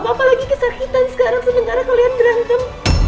apa lagi kesakitan sekarang sementara kalian berantem